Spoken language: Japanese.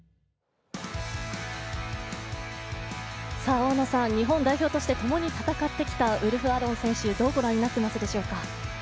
大野さん、日本代表としてともに戦ってきたウルフアロン選手、どう御覧になっていますでしょうか。